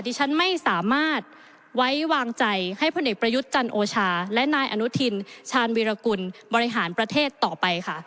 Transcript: ที่ฉันไม่สามารถไว้วางใจให้พลเอกประยุทธ์จันโอชาและนายอนุทินชาญวิรากุลบริหารประเทศต่อไปค่ะ